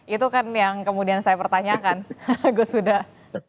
itu kan yang kemudian saya pertanyakan agus sudah